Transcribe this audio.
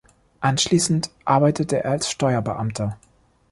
Anschließend arbeitete er als Steuerbeamter.